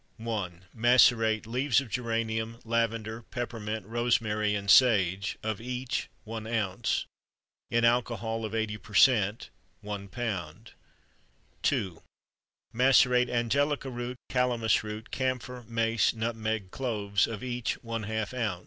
Macerate: Leaves of geranium, lavender, peppermint, rosemary, and sage, of each 1 oz. In alcohol of 80% 1 lb. 2. Macerate: Angelica root, calamus root, camphor, mace, nutmeg, cloves, of each ½ oz.